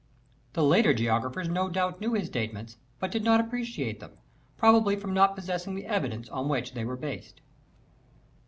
The later Geographers no doubt knew his statements, but did not appre ciate them, probably from not possessing the evidence on which they were based.